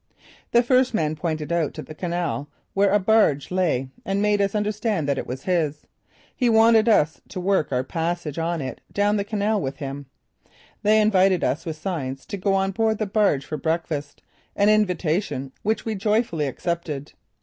The first man pointed out to the canal where a barge lay and made us understand that it was his. He wanted us to work our passage on it down the canal with him. They invited us by signs to go on board the barge for breakfast, an invitation which we joyfully accepted.